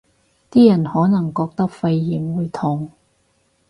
啲人可能覺得肺炎會痛